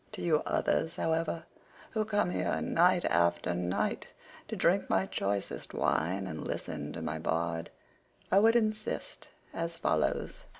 To you others, however, who come here night after night to drink my choicest wine and listen to my bard, I would insist as follows.